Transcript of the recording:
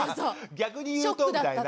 「逆に言うと」みたいな。